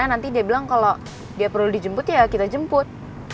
nanti dia bilang kalau dia perlu dijemput ya kita jemput